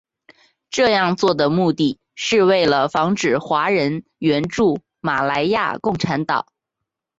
这样做的目的是为了防止华人援助马来亚共产党。